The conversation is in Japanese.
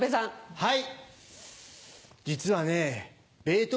はい。